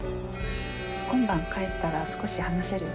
今晩帰ったら少し話せる？